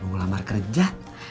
mau ngulamar kerja